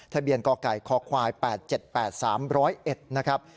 ทะเบียนกอไก่คอควายแปดเจ็ดแปดสามร้อยเอ็ดนะครับ